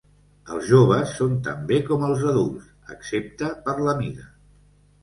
Els joves són també com els adults, excepte per la mida.